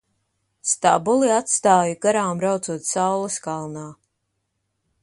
Stabuli atstāju garām braucot saules kalnā.